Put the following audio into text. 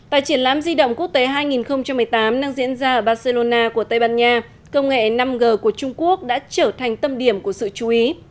tại triển lãm di động quốc tế hai nghìn một mươi tám đang diễn ra ở barcelona của tây ban nha công nghệ năm g của trung quốc đã trở thành tâm điểm của sự chú ý